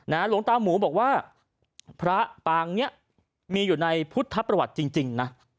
หลวงตาหมูบอกว่าพระปางนี้มีอยู่ในพุทธประวัติจริงนะ